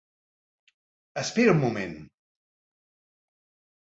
Espera un moment!